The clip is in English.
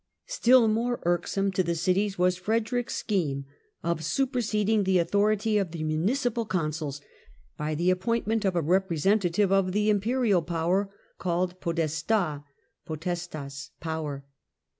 Still more irksome to the cities was Frederick's scheme of superseding the authority of the municipal consuls by the appointment of a representative of the imperial power called podesta (potestas : power).